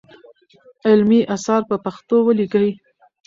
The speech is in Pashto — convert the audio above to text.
علمي اثار په پښتو ولیکئ.